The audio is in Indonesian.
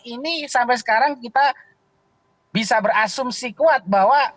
ini sampai sekarang kita bisa berasumsi kuat bahwa